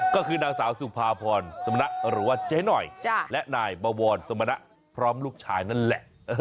ก็คือนางสาวสุภาพรสมณะหรือว่าเจ๊หน่อยและนายบวรสมณะพร้อมลูกชายนั่นแหละ